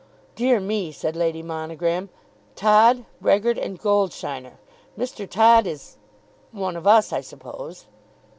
"Dear me," said Lady Monogram. "Todd, Brehgert, and Goldsheiner! Mr. Todd is one of us, I suppose."